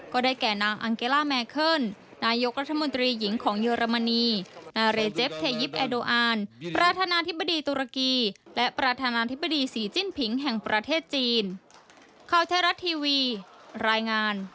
ก็ได้แก่นางอังเกล่าแมเคิลนายกรัฐมนตรีหญิงของเยอรมนีนาเรเจฟเทยิปแอโดอานประธานาธิบดีตุรกีและประธานาธิบดีศรีจิ้นผิงแห่งประเทศจีน